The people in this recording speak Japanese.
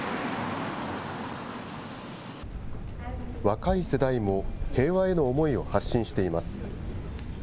若い世代も、平和への思いを発信しています。